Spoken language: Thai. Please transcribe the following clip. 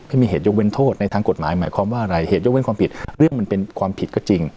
ไม่มีเหตุยกเว้นโทษในทางกฎหมายหมายความว่าอะไรเหตุยกเว้นความผิดเรื่องมันเป็นความผิดก็จริง